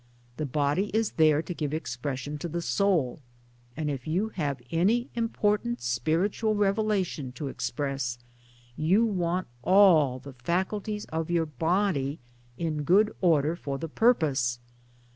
The body is there to give expression to the soul, and if you have any important spiritual revelation to express you want all the faculties of your body in good order for the purpose.